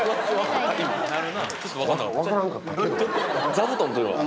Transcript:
座布団というのは？